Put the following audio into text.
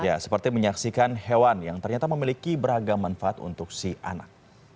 ya seperti menyaksikan hewan yang ternyata memiliki beragam manfaat untuk si anak